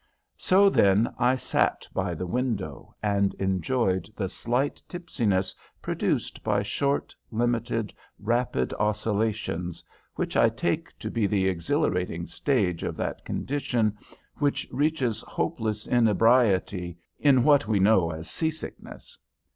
So, then, I sat by the window and enjoyed the slight tipsiness produced by short, limited, rapid oscillations, which I take to be the exhilarating stage of that condition which reaches hopeless inebriety in what we know as sea sickness.